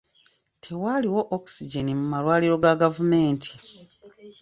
Tewaliiwo oxygen mu malwaliro ga gavumenti